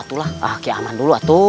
nanti saya mencaring gimana